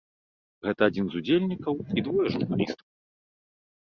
Гэта адзін з удзельнікаў і двое журналістаў.